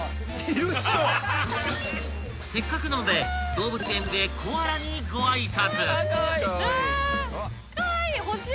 ［せっかくなので動物園でコアラにご挨拶］